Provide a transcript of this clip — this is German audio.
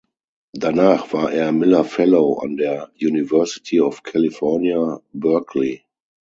Danach war er Miller Fellow an der University of California, Berkeley.